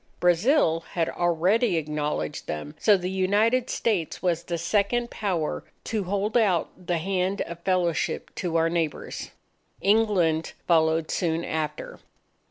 Brazil had already acknowledged them; so the United States was the second Power to hold out the hand of fellowship to our neighbours. England followed soon after.